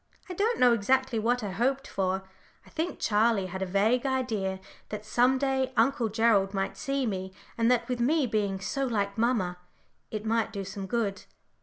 I don't know exactly what I hoped for I think Charlie had a vague idea that some day Uncle Gerald might see me, and that with me being so like mamma it might do some good.